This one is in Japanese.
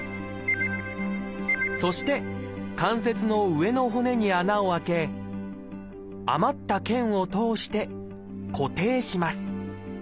そして関節の上の骨に穴を開け余った腱を通して固定します。